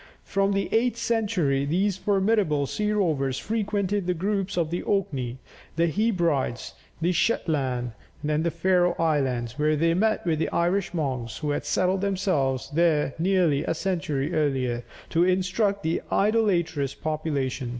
From the eighth century, these formidable sea rovers frequented the groups of the Orkney, the Hebrides, the Shetland, and Faröe Islands, where they met with the Irish monks, who had settled themselves there nearly a century earlier, to instruct the idolatrous population.